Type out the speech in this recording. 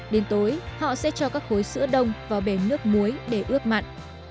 đến tối họ sẽ cho các khối sữa đông vào bể nước muối để ướp mặn